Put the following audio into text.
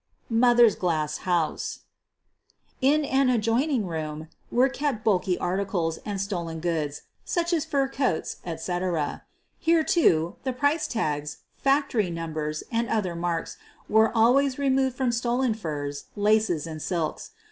"mother's" glass house In an adjoining room were kept bulky articles and stolen goods, such as fur coats, etc. Here, too, the price tags, factory numbers, and other marks were always removed from stolen furs, laces, and silks.